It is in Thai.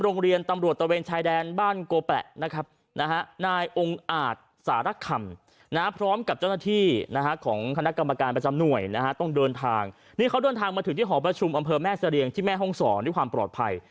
นี่เขาเดินทางมาถึงที่หอประชุมอำเภอแม่เสรียงที่แม่ห้องศรด้วยความปลอดภัย